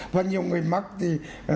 và nhiều người mắc thì